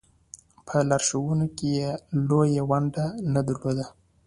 په لارښوونه کې یې لویه ونډه نه درلوده.